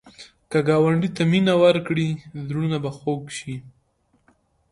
که ګاونډي ته مینه ورکړې، زړونه به خوږ شي